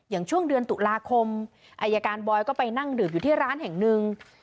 อย่างช่วงเดือนตุลาคมอายการบอยก็ไปนั่งดื่มอยู่ที่ร้านแห่งหนึ่ง